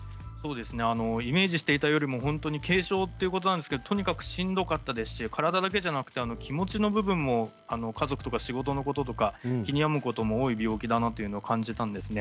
イメージしていたよりも軽症ということなんですがとにかくしんどかったし体だけじゃなく気持ちの部分も家族とか仕事のこととか気に病むことが多い病気だなと感じたんですね。